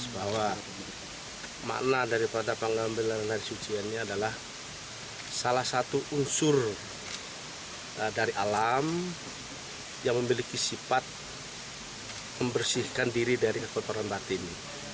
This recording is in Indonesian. bahwa makna daripada pengambilan air suci ini adalah salah satu unsur dari alam yang memiliki sifat membersihkan diri dari ekotoran batin